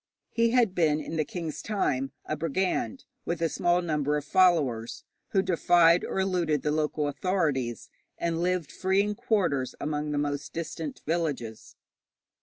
He had been in the king's time a brigand with a small number of followers, who defied or eluded the local authorities, and lived free in quarters among the most distant villages.